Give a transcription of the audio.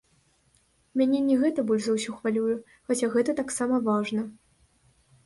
Мяне не гэта больш за ўсё хвалюе, хаця гэта таксама важна.